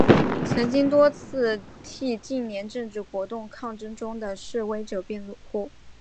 曾经多次替近年政治活动抗争中的示威者辩护。